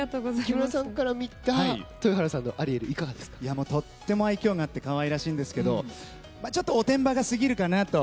木村さんから見た豊原さんのアリエルとても愛嬌があってかわいらしいんですがおてんばが過ぎるかなと。